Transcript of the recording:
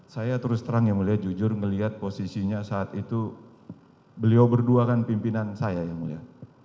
saya terus terang ya mulia jujur melihat posisinya saat itu beliau berdua kan pimpinan saya yang mulia